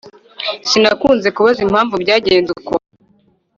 sinakunze kubaza impamvu byagenze uko